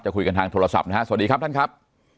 คุยกันทางโทรศัพท์นะฮะสวัสดีครับท่านครับ